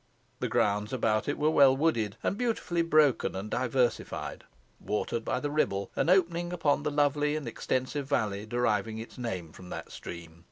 The grounds about it were well wooded and beautifully broken and diversified, watered by the Ribble, and opening upon the lovely and extensive valley deriving its name from that stream.